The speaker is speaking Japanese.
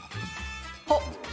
あっ！